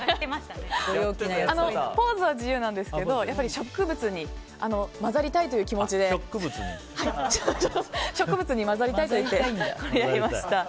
ポーズは自由なんですけど植物に混ざりたいという気持ちでやりました。